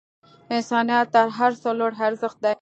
انسانیت تر هر څه لوړ ارزښت دی.